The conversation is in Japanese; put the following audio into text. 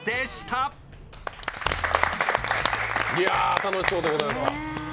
楽しそうでございました。